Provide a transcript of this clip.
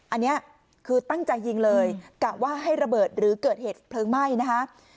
อันนี้คือตั้งใจยิงเลยกะว่าให้ระเบิดหรือเกิดเหตุเพลิงไหม้นะคะ